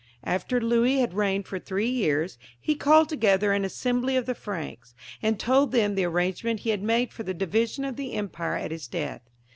After Louis had reigned for three years, he called together an assembly of ^he Franks, and told them the arrangement he ha^ made for the division of the empire at his death.